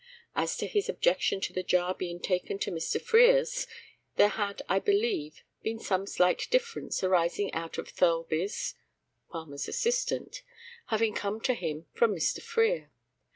As to his objection to the jar being taken to Mr. Frere's, there had, I believe, been some slight difference, arising out of Thirlby (Palmer's assistant) having come to him from Mr. Frere.